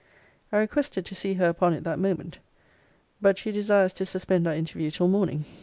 I requested to see her upon it that moment. But she desires to suspend our interview till morning.